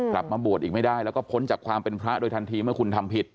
กลับมาบวชอีกไม่ได้แล้วก็พ้นจากความเป็นพระโดยทันทีเมื่อคุณทำผิด